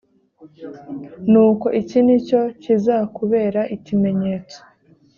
nuko iki ni cyo kizakubera ikimenyetso